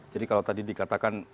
jadi kalau tadi dikatakan